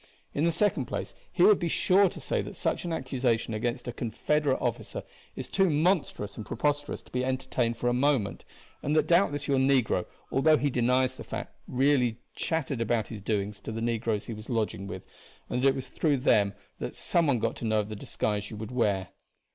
In the second place he would be sure to say that such an accusation against a Confederate officer is too monstrous and preposterous to be entertained for a moment; and that doubtless your negro, although he denies the fact, really chattered about his doings to the negroes he was lodging with, and that it was through them that some one got to know of the disguise you would wear.